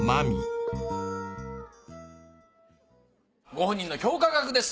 ご本人の評価額です。